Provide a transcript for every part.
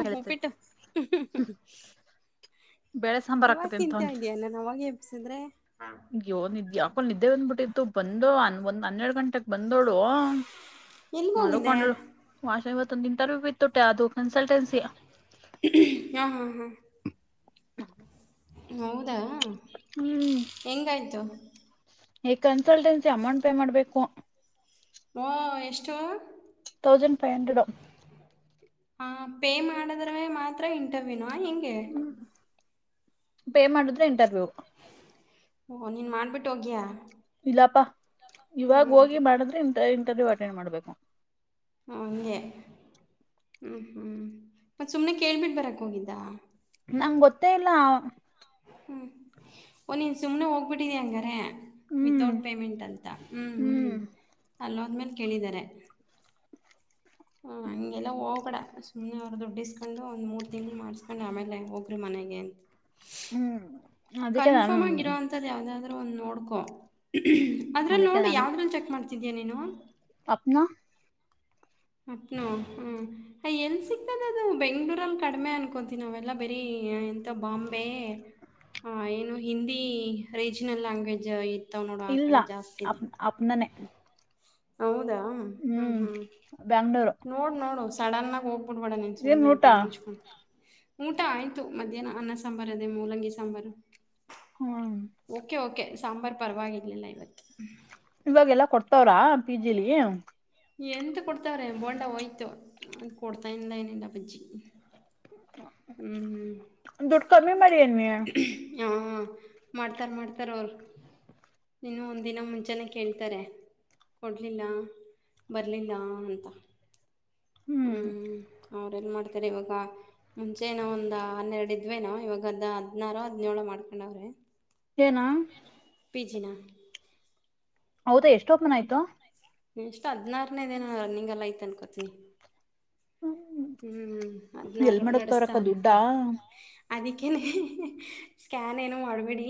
ಉಹೂ ಉಪಿಟ್ಟು ಅಹ್ ಹ್ಹ ಬೆಳೆ ಸಾಂಬಾರ್ ಇವಾಗ ಹಾಕತೇನ್ ತಿಂತ್ಯ ಅಂದಿಯಾ ನಾನ್ ಅವಾಗೆ. ಸಿಂದ್ರೆ. ಗ್ಯೋ ನಿಂದ್ಯಾ ಯಾಕೊ ನಿದ್ದೆ ಬಂದ್ಬಿಟ್ಟಿತ್ತು ಬಂದು ಅನ್. ಒಂದ ಹನ್ನೆರಡ ಗಂಟ್. ಟ್ಟಕ್ ಬಂದೋವ್ಳು ಎಲ್ಗೋಗಿದ್ದೆ ಮಲಕೊಂಡಲ್ ವಾಷ ಐವತ್ತ. ತೊಂದಿದ ತರು ಬಿಟ್ಟುತ್. ತ್ತಾ ಅದು ಕನ್ಸಲ್ಟೆನ್ಸಿ. ಹಾ ಹಾ [unintelligible] ಹೌದ್. ತ್ತಾ ಹೆಂಗ ಆಯ್ತು. ಎ ಕನ್ಸಲ್ಟೆನ್ಸಿ ಅಮೌಂಟ್ ಪೇ ಮಾಡ್ಬೇಕು. ಓ ಎಷ್ಟೋ. ಥೌಝಂಡ್ ಫೈ ಹಂಡ್ರೆಡೊ. ಆ ಪೇ ಮಾಡದ್ರವೆ ಮಾತ್ರ ಇಂಟರ್ ವಿನ್. ನಾ ಹೆಂಗೆ. ಹ್ಮ್ ಪೇ ಮಾಡಿದ್ರೆ ಇಂಟರ್ವ್ಯೂ. ಓ ನೀನ್ ಮಾಡ್ಬಿಟ್ಟು ಓಗ್ಯಾ. ಲ್ಲಪಾ. ಇವಾಗ ಹೋಗಿ ಮಾಡಿದ್ರೆ ಇಂಟರ್ ಇಂಟರ್ವ್ಯೂ ಅಟೆಂಡ್ ಮಾಡ್ಬೇಕ್. ಹಂಗೆ ಹ್ಮ ಹ್ಮ್ ಮತ್ತ ಸುಮ್ನೆ ಕೇಳ್ಬಿಟ್ಟ ಬರಾಕ್ ಹೋಗಿದ್ದಾ. ನಂಗ ಗೊತ್ತೇ ಇಲ್ಲಾವ. ಹ್ಮ್ ಒಂನ್ನಿವ ಸುಮ್ನೆ ಹೋಗ್ಬಿಟ್ಟಿದಿ ಹಂಗಾರೆ. ಹ್ಮ್ ವಿಥೌಟ್ ಪೇಮೆಂಟ್ ಅಂತಾ ಅಹ್ಮ್ ಹ್ಮ್. ಅಲ್ಲ್ ಹೊದ್ಮೇಲ ಕೇಳಿದ್ದಾರೆ. ಓ ಹಂಗ್. ಎಲ್ಲಾ ಹೋಬೇಡಾ ಸುಮ್ನೇ. ಆ ದುಡ್ಡ ಇಸ್ಕೊಂಡು ಒಂದು ಮೂರು ತಿಂಗ್ಲ ಮಾಡಸ್ಕೊಂಡು ಆಮೇಲೆ ಹೋಗ್ರಿ ಮನೆಗೆ ಅಂತ್. ಹ್ಮ್ ಅದಕ್ಕೆ ನಾನು ಕನ್ಫರ್ಮ್ ಆಗಿರರುವಂತದ್ ಯಾವ್ದಾವ್ದ ಒಂದ ನೊಡ್ಕೋ ಅದ್ರಲ್ ನೋಡಿ ಯಾವ್ದ್ರಲಿ ಚೆಕ್ ಮಾಡ್ತ ತಿದೆ ನೀನು ಅಪ್ನಾ ಅಪ್ನಾ ಹ್ಮ್ಯ ಎಲ್ಲಿ ಸಿಕ್ಕದ ಅದು ಬೆಂಗ್ಳೂರಲ್ಲಿ ಕಡಿಮೆ ಅನ್ಕೊಂತೀವಿ ನಾವೆಲ್ಲ ಬರಿ ಎಂತ ಬಾಂಬೆ ಆ ಏನು ಹಿಂದಿ ರೀಜನಲ್ ಲ್ಯಾಂಗ್ವೇಜ್ ಇ ಇಲ್ಲಾ ಅಪ್ ಅಪ್ನಾನನೆ. ಅ ಹ್ಮ್ ಹ್ಮ್ ಬ್ಯಾಂಗ್ಳೂರು ನೋಡ್ ನೋಡು ಸಡನ್ನಾಗ ಹೋಗ್. ನೋಡಬ್ಯಾಡ್ ನಿ ಏನ್ ಸುಮ್ನೆ ಇ ಊಟ ಕಣ್ ಮುಚ್ಚುಕೊ ಊಟಾ ಆಯ್ತು ಮಧ್ಯಾಹ್ನ ಅನ್ನ ಸಾಂಬಾರ್ ಅದೇ ಮೂಲಂಗಿ ಸಾಂಬಾರು. ಹ್ಮ್ ಓಕೆ ಓಕೆ ಸಾಂಬಾರ್ ಪರವಾಗಿವಾಗಿರ್ಲಿಲ್ಲ ಇವತ್ [inaudible] ಇವಾಗೆಲ್ಲಾ ಕೊಡ್ತವ್ರಾ ಪಿ ಜಿಲಿ ಎಂತ ಕೊಡ್ತಾವ್ರೆ ಬೋಂಡಾ ಹೋಯ್ತು ಅ ಕೊಡ್ತಾ ಇಲ್ಲ ಏನ್ ಇಲ್ಲ ಬಜಿ ದುಡ್ ಕಮ್ಮಿ ಮಾಡಿ ಅನ್ನಿ ಹಾಂ ಮಾಡ್ತಾರೆ ಮಾಡ್ತಾರೆ ಅವರು ಇನ್ನ ಒಂದಿನ ಮುಂಚಾನೇ ಕೇಳ್ತಾರೆ ಕೊಡಲಿಲ್ಲಾ ಬರಲಿಲ್ಲಾ ಅಂತಾ. ಹ್ಮ್ ಹೌ ಏನ್ ಮಾಡ್ತಾರೆ ಇವಾಗಾ ಮುಂಚೆ ನೋ ಒಂದ್ ಹನ್ನೆರಡು ಇದ್ವೇನೋ ಇವಾಗ ಅದ್ ಹದ್ನಾರು ಹದ್ನೇಳು ಮಾಡ್ಕೊಂಡವ್ರೇ. ಏನ ಪಿ ಜಿ ನಾ ಹೌದಾ ಎಷ್ ಟೋಪ್ನ್ ಆಯ್ತು ಇಷ್ಟು ಹದ್ನಾರನೇ ದೇನ ರನ್ನಿಂಗ್ ಎಲ್ಲಾ ಐತ ಅನ್ಕೋತನಿ. ಹ್ಮ್ ಹ್ಮ್ ಎಲ್ ಅದ್ನಾರು ಮಾಡಕ್ತವ್ರಕ್ಕ ನಡೆಸ್ತಾವ್ರೇ ದುಡ್ಡಾ ಅದಕ್ಕೇನೆ ಸ್ಕ್ಯಾನ್ ಏನು ಮಾಡ್ಬಿಡಿ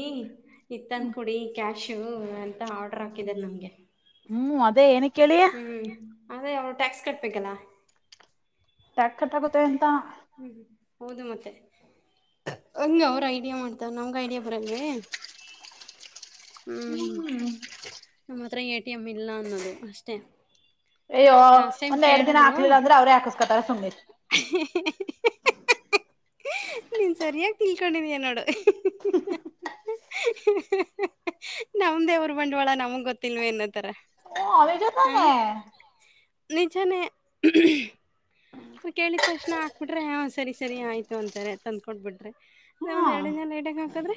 ಇತ್ತಂದ ಕೊಡಿ ಕ್ಯಾಶ್ ಶೂ ಎಂತ ಆರ್ಡರ್ ಹಾಕಿದ್ದಾರೆ ನಮಗೆ ಹ್ಮ್ ಅದೇ ಏನಕ್ ಕೇಳಿ ಅದೆ ಅವು ಟ್ಯಾಕ್ಸ್ ಕಟ್ ಬೇಕಲ್ಲಾ. ಟ್ಯಾಕರ್ಟಕತ ಎಂತಾ ಹೌದು ಮತ್ತೆ ಹಂಗ ಅವರು ಐಡಿಯಾ ಮಾಡ್ತಾರ ನಮ್ಗೆ ಐಡಿಯಾ ಬರಲ್ವೇ ಹ್ಮ್ ನಮ್ಮತ್ರ ಏಟ್. ಟಿಮ್ ಇಲ್ಲಾ ಅನ್ನೋದು ಅಷ್ಟೇ. ಏ ಯೂ ಲಾಸ್ಟ್ ಟೈಮ್ ಒಂದ್ ಎರಡ್ ದಿನ ಕೇಳಿದ್ರು ಹಾಕ್ಲಿಲ್ಲ ಅಂದ್ರೆ ಅವ್ರೇ ಹಾಕಿಸಸ್ಕೊತಾರ ಸುಮ್ಮೀರ್. ನೀನ್ ಸರಿಯಾಗಿ ತಿಳ್ಕೊಂಡಿದಯ ನೋಡು ನಮ್ದೇವರು ಬಂಡವಾಳ ನಮಗ್ ಗೊತ್ತಿಲ್ವ ನ್ನೋತರಾ. ಹೂ ಅವೆಜಾ ತಾನೇ. ನಿಜನೆ ನೀವ್ ಕೇಳಿದ ತಕ್ಷಣ ಹಾಕ್ಬಿಟ್ರೆ ಹಾ ಸರಿ ಸರಿ ಆಯ್ತು ಅಂತಾರೆ ತಂದ್ಕೊಟ್ಬಿಟ್ರೆ ಇ ಒಂದು ಹ್ಮ್ ಎರಡು ದಿನ ಲೇಟಾಗಿ ಹಾಕದ್ರೆ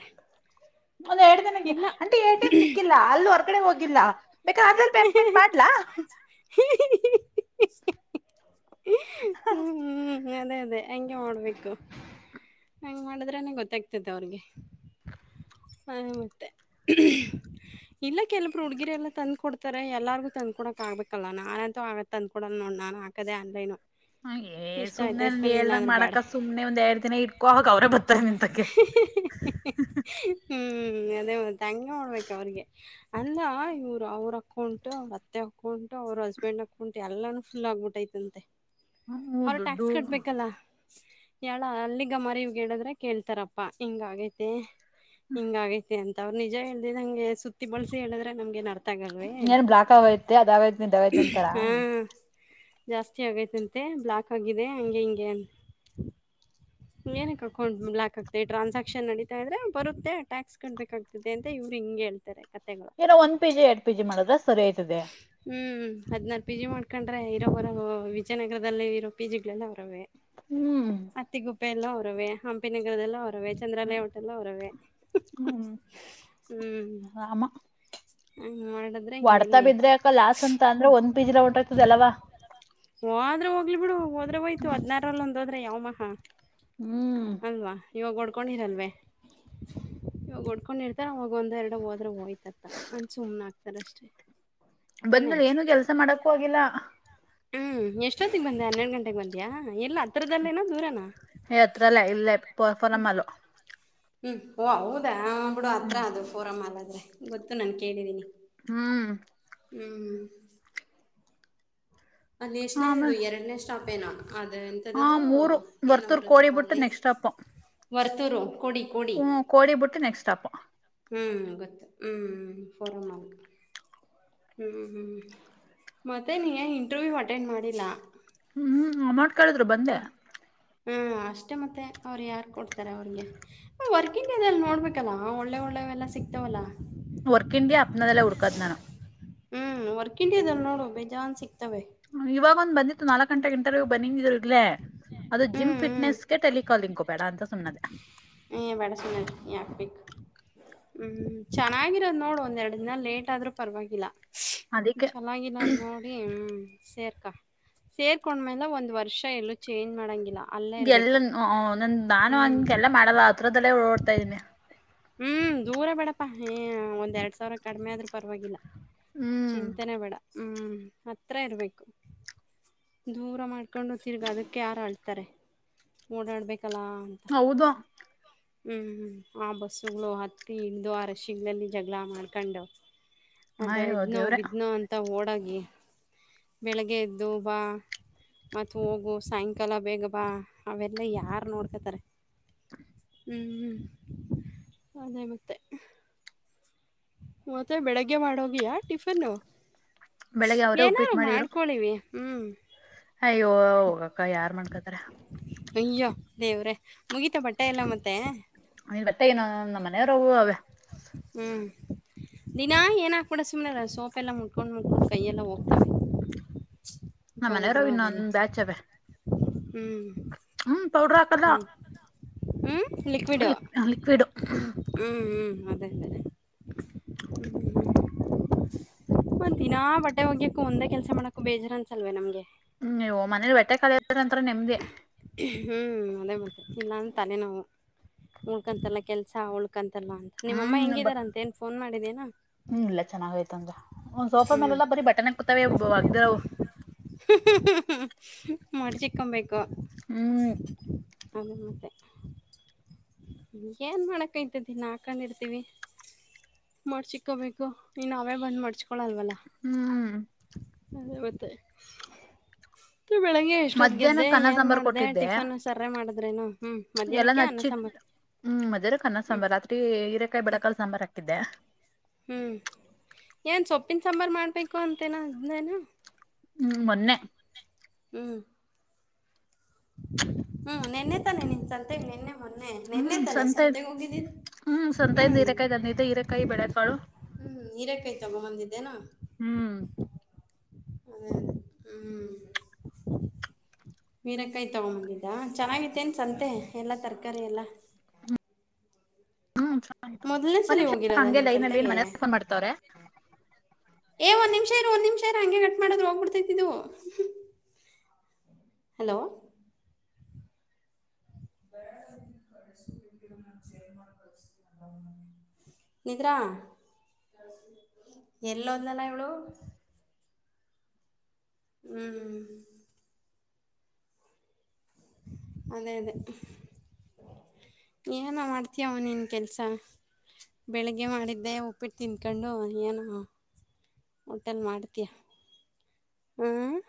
ಇಲ್ಲಾ ಸಿಕ್ಕಿಲ್ಲಾ ಅಲ್ ಹೊರಗಡೆ ಹೋಗಿಲ್ಲಾ. ಬೇಕ ಆನ್ಲೈನ್ ಪೇಮೆಂಟ್ ಮಾಡ್ಲಾ ಹ್ಮ್ [inaudible] ಹ್ಮ್ ಅದೇ ಅದೇ ಅಂಗೇ ಮಾಡಬೇಕು ಅಂಗ್ ಮಾಡಿದ್ರ ಗೊತ್ತಾಗ್ತತೆ ಅವ್ರಿಗೆ ಹ ಮೆ ಇಲ್ಲಾ ಕೆಲಪರು ಹುಡುಗಿರೆ ಎಲ್ಲ ತಂದು ಕೊಡ್ತ ತ ಎಲ್ಲರಿಗು ತಂದ್ಕಡೊಕ್ ಆಗ್ಬೇಕಲ್ಲ ನಾನ ಅಂತೂ ಆಗತ್ತ ತಂದಕ ಕೊಡಲ್ಲ ನೋಡ್ ನಾನ್ ಹಾಕದೇ ಆನ್ಲೈನ್. ಏ ಸುಮ್ನೆ ಒಂದ ಏಳ್ದದಂಗ್ ಬೇಡ ಮಾಡಕ ಸುಮನೆ ಒಂದ್ ಎರಡ್ ದಿನ ಇಟ್ಕೋ ಅವಾಗ್ ಅವ್ರೇ ಬತಾರ ನಿಂತಕ್ಕೆ ಹ್ಮ್ ಅದೇ ಮತ್ ತಂಗೆ ಮಾಡ್ಬೇಕ ಅವ್ರಿಗೆ ಅಲ್ಲಾ ಇವ್ರು ಅವ್ರ ಅಕೌಂಟು ಅವ್ರ್ ಅತ್ತೆ ಹಾಕ್ಕೊಂಡಟು ಅವ್ರ ಹಸ್ಬೆಂಡ್ ಅಕೌಂಟು ಎಲ್ಲಾನು ಫುಲ್ ಆಗಬಿಟ್ಟೈತಂತೆ ಹ್ಮ ಹ್ಮ ದುಡ್ಡು ಯಳ ಅಲ್ಲಿ ಗ ಮರಿವ್ಗೆಡದ್ರೆ ಕೇಳ್ತಾರಪ್ಪಾ ಹಿಂಗ ಆಗೈತಿ ಹಿಂಗ ಆಗೈತಿ ಅಂತ್ ಅವ್ರು ನಿಜಾ ಹೇಳ್ದ ನಂಗೆ ಸುತ್ತಿ ಬಳಸಿ ಹೇಳಿದ್ರೆ ನಮಗೆನು ಅರ್ಥ ಆಗಲ್ವೇ ಏನ್ ಬ್ಲಾಕ್ ಆಯೈತೆ ಅದ ಅವೈತ್ ಇದ ಅವೈತಿ ಅಂತರ ಹಾ ಜಾಸ್ತಿ ಆಗೈತಂತೆ ಬ್ಲಾಕ್ ಆಗಿದೆ ಹಂಗೆ ಹಿಂಗೆ ಏನಕ್ ಅಕೌಂಟ್ಲಾಕ್ ಆಗ್ತದೆ ಟ್ರಾನ್ಸಾಕ್ಷನ್ ನಡಿತಾ ಇದ್ರೆ ಬರುತ್ತೆ ಟ್ಯಾಕ್ಸ್ ಕಟ್ಬೇಕಾಗ್ತಿದೆ ಅಂತ ಇವ್ರು ಹಿಂಗೆ ಹೇಳ್ತಾರೆ ಕತೆೆಗಳು ಏನೋ ಒಂದ್ ಪಿ ಜಿ ಎರಡ್ ಪಿ ಜಿ ಮಾಡಿದ್ರೆ ಸರಿ ಓಯ್ತದೆ ಹಾದ್ನಾರ್ ಪಿ ಜಿ ಮಾಡ್ಕೊಂಡ್ರೆ ಇರೋವರವು ವಿಜಯನಗರದಲ್ಲಿ ಇರೋ ಪಿ ಜಿ ಗಳೆಲ್ಲ ಅವರವೇ ಹ್ಮ್ ತೀ ಗುಪ್ಪೆ ಎಲ್ಲ ಅವ್ರವೇ ಹಮ್ ಪಿ ನಗರದ್ದೆಲ್ಲಾ ಅವ್ರವೇ ಹ್ಮ್ ಚಂದ್ರಾಲಯ ಹೋಟೆಲ್ಲ ಅವರವೇ ಹ್ಮ್ ಹ್ಮ್ ಆರಾಮ ಹಂಗ್. ಮಾಡದ್ರೆ ಹೊಡ್ತಾ ಹಿನ್ನೆಲ್ಲಿ ಬಿದ್ರೆ ಅಕ್ಕ ಲಾಸ್ ಅಂತ ಅಂದ್ರೆ ಒಂದ್ ಪಿ ಜಿಲ ಹೊಂಟೋಯ್ತದ ಅಲ್ಲವಾ ಹ್ವಾದ್ರ ಹೋಗ್ಲಿ ಬಿಡು ಹೋದ್ರೆ ಹೋಯ್ತು ಅದ್ನಾರ್ರಲ್ಲ ಒಂದು ಹೋದ್ರೆ ಯಾವ್ ಮ್ಹಾ. ಹ್ಮ್ ಹ್ಮ. ಅಲ್ವಾ. ಇವಾಗ ಓಡ್ಕೊಂಡಿರಲ್ವೇ ಇವಾಗ ಹೊಡ್ಕೊಂಡಿರ್ತಾರ ಅವಾಗ ಒಂದ ಎರಡು ಹೋದ್ರೆ ಹೋಯ್ತ. ತ್ತಾ ಅಂದ್ ಸುಮ್ನಾಕ್ತಾರ್ ಅಷ್ಟೇ. ತಾನೆ ಬಂದರ್ರು ಏನು ಕೆಲ್ಸಾ ಮಾಡಕ್ಕೂ ಆಗಿಲ್ಲ. ಹ್ಮ್ ಎಷ್ಟೊತ್ತಿಗೆ ಬಂದ್ಯಾ ಹನ್ನೆರಡ ಗಂಟೆಗೆ ಬಂದಿಯಾ ಇಲ್ಲಾ ಹತ್ರದಲ್ಲಿನ ದೂರೆನಾ. ಎ ಹತ್ರಲ್ಲೆ ಇಲ್ಲೆ ಪ ಪಫನ್ನ ಮಾಲು. ಹ್ಮ ಹೊವಾ ಹೌದಾ. ಹಾ ಬಿಡು ಹತ್ರ ಹ್ಮ್ ಅದು ಫೋರಮ್ ಮಾಲ್ಲಾದ್ರೆ. ಗೊತ್ತು ನಾನ್ ಕೇಳಿದ್ದೀನಿ. ಹ್ಮ್. ಅಹ್ಮ್. ಅದ್ನೆಷನೇಯದು ಆಮೇಲೆ ಎರಡನೇಸ್ಟಾಪ್. ಪೇನಾಕ್. ಅದೆ ಎಂಥದ ಹ ಅದು ಮೂರು ಏನೋ ವರ್ತೂರ್ ಕೋಡಿ ಬರುತ್ತಪ್ಪಾ ಬಿಟ್ಟು ಅಲ್ಲಿ. Next stop Varthur. ಕೋಡಿ ಕೋಡಿ ಹ್ಮ ಕೊಡಿ ಬುಟ್ಟು ನೆಕ್ಸ್ಟ್ ಸ್ಟಾಪು. ಹೂಂ ಗೊತ್ತು ಹೂಂ ಫೋರಮ್ಲ್ ಹ್ಹೂ ಹ್ಹ ಮತ್ತೆ ನೀ ಇ ಎ. ಟುವ್ಯೂ ಅಟೆಂಡ್ ಮಾಡಿಲ್ಲಾ. ಹ್ಮ್ ಹ್ ಅಮೌಂಟ. ಕಳದ್ರು ಬಂದ್ಯಾ. ಹ್ಮ್ ಅಷ್ಟೇ ಮತ್ತೆ ಅವ್ರ ಯಾರ್ ಕೊಡ್ತಾರೆ ಅವ್ರಿಗೆ ಅ ವರ್ಕಿಂಗ್ ಇದ ಎಲ್ಲ ನೋಡ್ಬೇಕ ಅಲ್ಲಾ ಒಳ್ಳೆ ಒಳ್ಳೆವೆ ಎಲ್ಲಾ ಸಿಗ್ತಾವಲ್ಲಾ. ವರ್ಕ್ ಇಂದಿ ಅಪ್ನಾದೆಲ್ಲ ಹುಡಕದ್ ನಾನು. ಹ್ಮ್ ವರ್ಕ್ ಇಂಡಿಯಾದಲ್ ನೋಡು ಬೇಜಾನ್ ಸಿಕ್. ಇವಾಗೊಂದ್ ಬಂದಿತ್ತು ನಾಲ್ಕ್ ಗಂಟೆಗಿಂತಲು ಬಿನ್ನಿಂಗ ಇದ್ರುಲ್ಲೇ. ಅ್ಯ ಅದು ಹ್ಞೂ ಜಿಮ್ ಹ್ಞೂ ಫಿಟ್ನೆಸ್ಗೆ ಟೆಲಿಕಾಲಿಂಕೂ ಬ್ಯಾಡಾ ಅಂತ ಸುಮ್ನ ನಾದ್ಯಾ. ಏ ಬೇಡ ಸುಮ್ಮನೆ ಯಾಕೆ ಬೇಕು ಹ್ಮ್ ಚೆನ್ನಾಗಿರೋದ್ ನೋಡು ಒಂದ್ ಎರಡ ದಿನಾ ಲೇಟ್ ಆದ್ರೂ ಪರವಾಗಿಲ್ಲಾ. ಅದಕ್ಕೆ ಛೆನ್ನಾಗಿಲ್ಲದು ನೋಡಿ ಮ್ ಸೇರ್. ಕ್ಕಾ ಸೇರ್ಕೊಂಡ್ಮೇಲೆ ಒಂದ್ ವರ್ಷ ಎಲ್ಲೊಹಿ. ಚೇಂಜ್ ಮಾಡಂಗ ಇಲ್ಲಾ. ಗೆಲ್ಲ ನಂದ ನಾನು ಹಂಗೆಲ್ಲ ಮಾಡಲ್ಲ ಆತ್ರರದಲ್ಲೇ ಓಡ್ತಾ ಇದೀನಿ. ಹ್ಮ್ ದೂರ ಬೇಡಪಾ ಯಿ ಒಂದ್ ಎರಡ್ ಸಾವಿರ ಕಡಿಮೆ ಆದ್ರೂ ಪರವಾಗಿಲ್ಲ. ಹ್ಮ್ ಚಿಂತನೆ ಬೇಡ. ಹ್ಞ ಹತ್ರ ಇರಬೇಕು ದೂರ ಮಾಡ್ಕೊಂಡು ತಿರ್ಗ ಅದ ಕ್ಕೆ ಯಾರ ಅಳ್ತಾರೆ ಓಡಾಡ್ಬೇಕ. ಕಲಾ [inaudible] ಹೌದು ಹ್ಮ್ ಹ್ಮ್ ಆ ಬಸ್ಸುಗಳು ಹತ್ತಿ ಇಳ್ದು ಆ ರಶ್ ಜಗಳ ಮಾಡ್ಕಂಡ್. ಅದ ಅಯ್ಯೋ ಇದ್ ನೋ ದೇವ್ರೆ ಬಿದ್ನೋ ಅಂತ ಓಡ. ಹ್ಮ ಬೆಳಗೆದ್ದು ಬಾ ಮತ್ತೆ ಹೋಗು. ಸಾಯಂಕಾಲ ಬೇಗ ಬಾ ಅವೆಲ್ಲ ಯಾರು ನೋಡ್ಕೊತಾರೆ. [inaudible] ಹ್ಮ ಅದೇ ಮತ್ತೆ. ಮತ್ತೆ ಬೆಳಗ್ಗೆ ಮಾಡೋಗಿಯಾ ಟಿಫನ್ನು. ಬೆಳಿಗ್ಗೆ ಅವ್ರೇ ಏನಾರು ಉಪ್ಪಿಟ್ಟು ಮಾಡಿದ್ರು ಮಾಡ್ಕೊಳಿವಿ ಹ್ಮ್. ಅಯ್ಯೋ ಹೋಗಕ್ಕ ಯಾರ್ ಮಾಡ್ಕತರೆ. ಅಯ್ಯೋ ದೇವ್ರೆ ಮುಗೀತಾ ಬಟ್ಟೆ ಎಲ್ಲ ಮತ್ತೆ. ನೀ ಮತ್ತೆ ಏನು ನಮ್ಮ ಮನೆರ್ವು ಅವೇ. ಹ್ಮ್ ದಿನಾ ಏನ ಹಾಕ್ಬಿಡ ಸುಮ್ನೆ ಸೋಪೆಲ್ಲ ಮುಟ್ಕೊಂಡ್ ಮುಟ್ಕೊಂಡ್ ಕೈಯೆಲ್ಲ ಹೋಗ್ತವೆ. ನಮ್ಮ ಮನೆರವು ಪೌಡ್ರು ಅದೆಲ್ಲ ಇನ್ನೊಂದ ಬ್ಯಾಚ್ ಅವೆ ಹ್ಮ್ ಹ್ಮ ಪೌಡ್ರ ಹಾಕಲ್ಲ. ಹ್ಮ ಲಿ ಲಿಕ್ವಿಡು. ಹ್ಮ್ ಹ್ಮ್ ಅದೇ ಅದೇ ಹ್ಮ [inaudible] ಒಂದಿನಾ ಬಟ್ಟೆ ಒಗ್ಯಕು ಒಂದೇ ಕೆಲ್ಸ ಮಾಡಕು ಬೇಜಾರ್ ಅನ್ಸಲ್ವ ನಮ್ಗೆ. ಹ್ಮ್ ನೀವು ಮನೇಲಿ ಬಟ್ಟೆ ಕಾಲ [unintelligible] ನೆಮ್ದಿ. ಹ್ಮ ಅದೇ ಮತ್ತೆ ಇಲ್ಲ ಅಂದ್ ತಲೆೇ ನಾವು ಉಳ್ಕಂತಲ್ಲ ಕೆಲಸ ಉಳ್ಕಂತಲ್ಲ. ನಿಮ್ಮಅಮ್ಮ ಹ್ಮ್ ಹೆಂಗಿದಾರ ಅಂತೆ ಏನ್ ಫೋನ್ ಮಾಡಿ. ಅದೇನ. ಹ್ಮ್ ಇಲ್ಲ ಚೆನ್ನಾಗಯತಂದ ಒಂದ್ ಸೋಫಾ ಹ್ಮ್ ಮೇಲೆಲ್ಲಾ ಬರೀ ಬಟ್ಟೆನೆ ಕುಂತಾವೆ ಒಗ್ದಿರವು. ಹ ಮಡಚಿಕ್ಕೊಂಬೇಕು. ಹ್ಮ್ ಕ [inaudible] ಅದು ಮತ್ತೆ. ಏನ್ ಮಾಡಕ್ಕೈತ ದಿನಾ. ಹಕೊಂಡಿರ್ತೀವಿ ಮಡ್ಸಕ್ಕೋಬೇಕು ಇನ್ನ ಅವೆ ಬಂದು ಮಡ್ಸ್ಕೊಳಲ್ವಲ್ಲ. ಹ್ಮ್. ಅದೇ ಮತ್ತೆ. ಬೆಳಗ್ಗೆ ಎಷ್ಟೊತ್ಗೆದ್ದೆ ಮಧ್ಯಾಹ್ನಕ್ ಅನ್ನ ಏನ್ ಸಾಂಬಾರ್ ಮಾಡ್ದ ಕೊಟ್ಟಿದ್ದೆ ಟಿಫನ್ ಸರ್ರ ಮಾಡಿದ್ರೇನು ಹ್ಮ್ ಎಲ್ಲಾ ಮಧ್ಯಾಹ್ನಕ್ಕೆ ನಚ್ಚಿಟ್ ಅನ್ನಸಾಂಬಾರ್ ಹ್ಮ್. ಈ ಹೀರೆಕಾಯಿ ಬಳಕಾಲ್ ಸಾಂಬಾರ್ಕಿದ್ದೆ. ಹ್ಮ್ ಏನ್ ಸೊಪ್ಪಿನ ಸಾಂಬಾರ್ ಮಾಡ್ಬೇಕು ಅಂತೇನ [unintelligible] ಹ್ಮ್ ಮೊನ್ನೆ ಹ್ಮ್ ಹ್ಮ್ ನೆನ್ನೆ ತಾನೆ ನಿನ್ ಸಂತೆೇಗ್ ನೆನ್ನೆ. ಹ್ಮ್ ತಾನೆ ಸಂತೆ ಸಂತೆಗ್ ಹೋಗಿದ್ದಿದ್ ಹ್ಮ್ ಸಂತೆಯಿಂದ ಹ್ಮ್ ಹೀರೆಕಾಯಿ ತಂದಿದ್ದೆ ಹಿರೆಕಾಯಿ ಬೆಳ ಕಾಳು. ಹ್ಮ್ ಹಿರೆಕಾಯ್ ತೊಗ ಬಂದಿದ್ದೇನ. ಹ್ಮ್ ಅದೇ ಹ್ಞ [inaudible] ಮೀನಕಾಯಿ ತಗೊಂಬಂದಿದ್ದ ಚೆನ್ನಾಗಿತ್ತೇನು ಸಂತೆ ಎಲ್ಲ ತರಕಾರಿ ಎಲ್ಲ. ಹ್ಮ್ ಚ ಗಿತ್ತು ಒಂದ್ ಸಲಿ ನಿಮಿಷ ಕ ಹೋಗಿರೋದ ಹಂಗೆ ನಿನ್ ಲೈನ್ ನಲ್ಲಿ ನಮ್ಮ ಸಂತೆಗೆ ಮನೆ ಫೋನ್ ಮಾಡ್ತವ್ರೆ. ನಿಮಷ ಇರು ಒಂದ ನಿಮಿಷ ಇರು ಹಂಗೆ ಕಟ್ ಮಾಡದ್ರೆ ಹೋಗ್ಬಿಡ್ತತಿದು. ಹಲೋ. [unintelligible] ನಿದ್ರಾ ಏಳೋದ್ಲಾಲ ಇವಳು. ಹ್ಮ್ ಅದೇ ಅದೇ ಏನೋ ಮಾಡ್ತೀಯ ಅವನಿನ ಕೆಲಸ ಬೆಳಿಗ್ಗೆ ಮಾಡಿದ್ದೆ ಉಪ್ಪಿಟ್ಟು ತಿನ್ಕೊಂಡು ಏನೋ ಹೋಟೆಲ್ ಮಾಡ್ತಿ ಹ್ಮ.